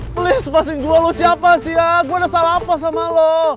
please passing gue lo siapa sih ya gue udah salah apa sama lo